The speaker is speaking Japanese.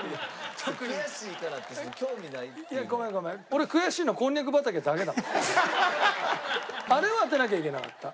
俺あれは当てなきゃいけなかった。